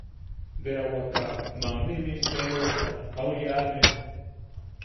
Bea waka mamni misteriota au yaʼane.